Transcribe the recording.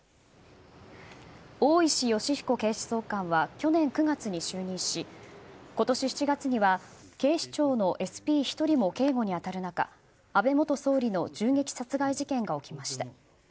大石吉彦警視総監は去年９月に就任し今年７月には警視庁のＳＰ１人も警護に当たる中安倍元総理の銃撃殺害事件が起きました。